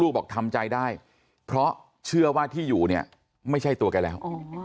บอกทำใจได้เพราะเชื่อว่าที่อยู่เนี่ยไม่ใช่ตัวแกแล้ว